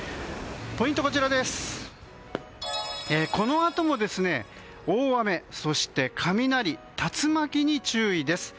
ポイントは、このあとも大雨そして雷、竜巻に注意です。